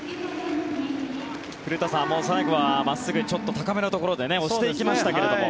古田さん、最後は真っすぐちょっと高めのところで押していきましたけども。